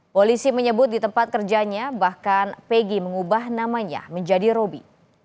polisi menyebut di tempat kerjanya bahkan pegi mengubah namanya menjadi roby